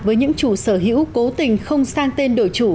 với những chủ sở hữu cố tình không sang tên đổi chủ